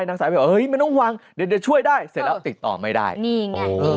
นางสาวไปบอกเฮ้ยไม่ต้องหวังเดี๋ยวช่วยได้เสร็จแล้วติดต่อไม่ได้นี่ไงนี่ไง